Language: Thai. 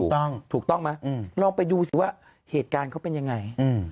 ถูกต้องถูกต้องไหมลองไปดูสิว่าเหตุการณ์เขาเป็นยังไง